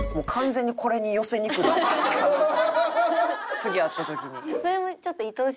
次会った時に。